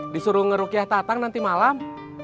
disuruh ngerukiah tatang nanti malam